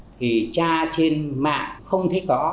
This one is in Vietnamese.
thì cha trên mạng không thấy có